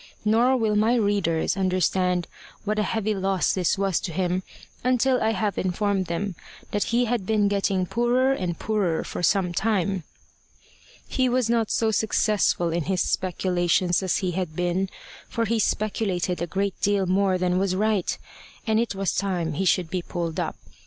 Nor will my readers understand what a heavy loss this was to him until I have informed them that he had been getting poorer and poorer for some time. He was not so successful in his speculations as he had been, for he speculated a great deal more than was right, and it was time he should be pulled up.